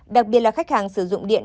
đặc biệt là khách hàng sử dụng điện